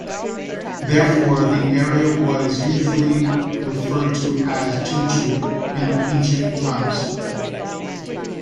Therefore, the area was usually referred to as "Chen Chu" in ancient times.